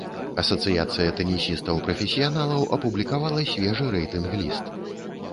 Асацыяцыя тэнісістаў-прафесіяналаў апублікавала свежы рэйтынг ліст.